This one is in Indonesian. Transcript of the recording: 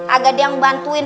agak dia ngebantuin